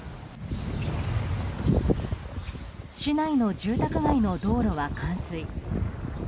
市内の住宅街の道路は冠水。